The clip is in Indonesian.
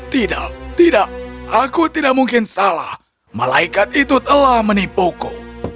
tidak tidak aku tidak mungkin salah malaikat itu telah menipuku